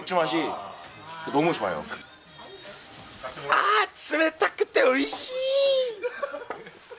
あー、冷たくておいしい！